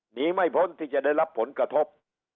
หนีไม่พ้นที่จะได้รับผลกระทบ